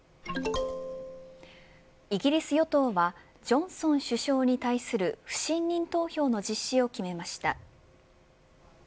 イギリス与党はジョンソン首相に対する不信任投票の実施を決めました。